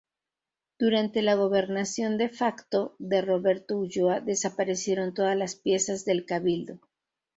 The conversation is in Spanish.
Durante la gobernación "de facto" de Roberto Ulloa desaparecieron todas las piezas del cabildo.